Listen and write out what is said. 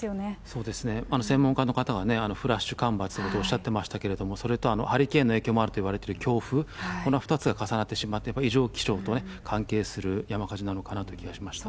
そうですね、専門家の方はね、フラッシュ干ばつなどとおっしゃってましたけれども、それとハリケーンの影響もあるといわれている強風、この２つが重なってしまって、異常気象とね、関係する山火事なのかなという気がしました。